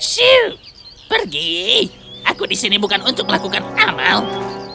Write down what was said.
ship pergi aku di sini bukan untuk melakukan amal